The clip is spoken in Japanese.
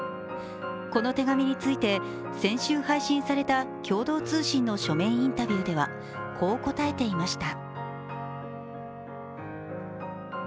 この手紙について、先週配信された共同通信の書面インタビューでは、こう答えていました。